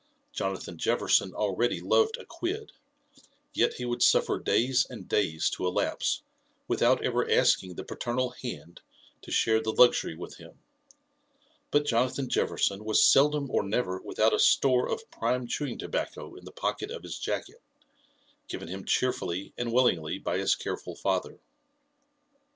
Jonathan Jefferson already loved a quid, yet he would suffer days and days to elapse without ever asking the paternal hand to share the luxury with him ; but Jonathan Jefferson was seldom or never without a store of prime chewing tobacco in the pocket of his jacket, given him cheer fully and willingly by his careful father.